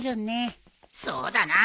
そうだな。